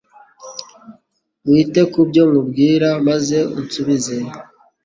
Wite ku byo nkubwira maze unsubize